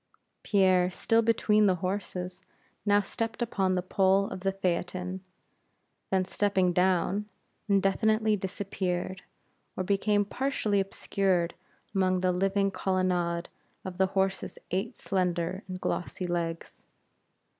Pierre, still between the horses, now stepped upon the pole of the phaeton; then stepping down, indefinitely disappeared, or became partially obscured among the living colonnade of the horses' eight slender and glossy legs.